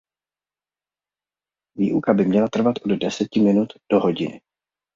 Výuka by měla trvat od deseti minut do hodiny.